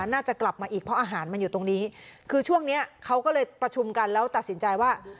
น่าจะกลับมาอีกเพราะอาหารมันอยู่ตรงนี้คือช่วงเนี้ยเขาก็เลยประชุมกันแล้วตัดสินใจว่า